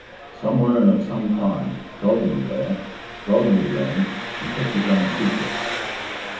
Somewhere and at some time God knew where God knew when He kept his own secrets.